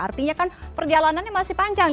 artinya kan perjalanannya masih panjang